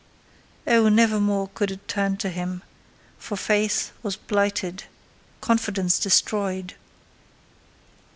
Oh, never more could it turn to him; for faith was blighted—confidence destroyed!